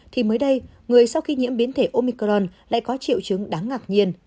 thì mới đây người sau khi nhiễm biến thể omicron lại có triệu chứng đáng ngạc nhiên